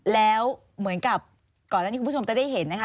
แล้วเหมือนกับก่อนอันนี้คุณผู้ชมจะได้เห็นนะคะ